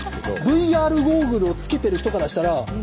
ＶＲゴーグルをつけてる人からしたら弾がね